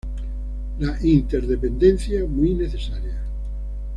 La interdependencia muy necesaria.